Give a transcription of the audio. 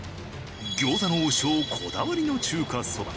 餃子の王将こだわりの中華そば。